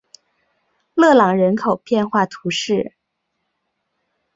勒朗人口变化图示